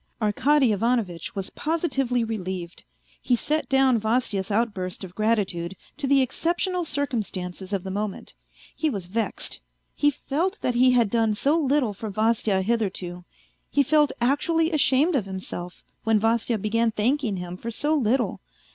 Arkady Ivanovitch was positively relieved. He set down Vasya's outburst of gratitude to the exceptional circumstances of the moment. He was vexed. He felt that he had done so little for Vasya hitherto. He felt actually ashamed of himself when Vasya began thanking him for so little.